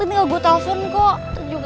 dia pergi juga udah keputusan dia kan